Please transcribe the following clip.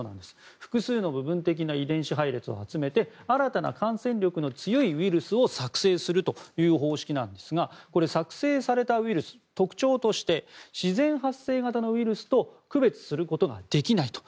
複数の部分的な遺伝子配列を集めて新たな感染力の強いウイルスを作製するという方式なんですが作成されたウイルス、特徴として自然発生型のウイルスと区別することができないと。